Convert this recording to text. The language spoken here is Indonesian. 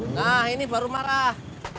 nah ini baru marah